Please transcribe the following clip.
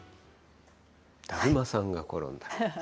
だるまさんが転んだ。